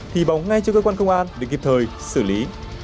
thì báo ngay cho cơ quan công an để kịp thời xử lý